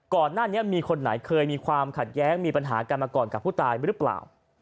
ก่อนหน้านี้มีคนไหนเคยมีความขัดแย้งมีปัญหากันมาก่อนกับผู้ตายหรือเปล่า